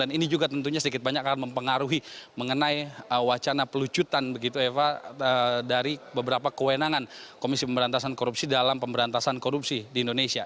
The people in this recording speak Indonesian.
dan ini juga tentunya sedikit banyak akan mempengaruhi mengenai wacana pelucutan begitu eva dari beberapa kewenangan komisi pemberantasan korupsi dalam pemberantasan korupsi di indonesia